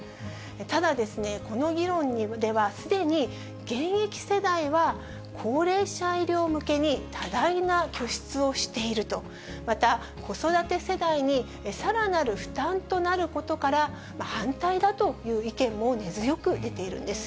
ただ、この議論ではすでに現役世代は、高齢者医療向けに多大な拠出をしていると、また子育て世代にさらなる負担となることから、反対だという意見も根強く出ているんです。